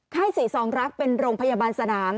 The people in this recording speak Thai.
ไข้ศรีสองลักษณ์เป็นโรงพยาบาลสนาม